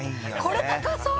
これ高そう！